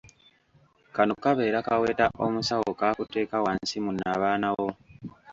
Kano kabeera kaweta omusawo k’akuteeka wansi mu nnabaana wo.